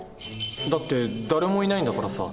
だって誰もいないんだからさ